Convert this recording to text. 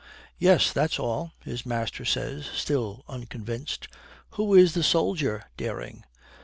'Yes, that's all,' his master says, still unconvinced. 'Who is the soldier, Dering?'